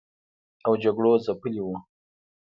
او جګړو ځپلي و